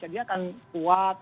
ya dia akan kuat